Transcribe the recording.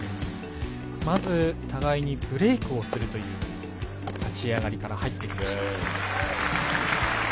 まず互いにブレークをするという立ち上がりから入ってきました。